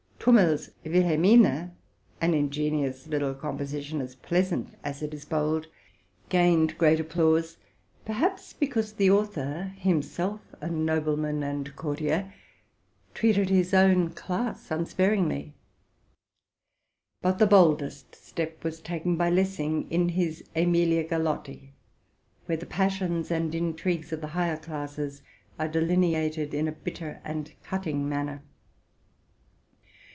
Thiimmel's '* Wilhelmine,'' an ingenious little composition, as pleasant as it is bold, gained great applause, perhaps because the au thor, himself a nobleman and courtier, treated his own class unsparingly. But the boldest step was taken by Lessing, in his '* Emilia Galotti,'? where the passions and intrigues of the higher classes are delineated in a bitter and cutting man ner.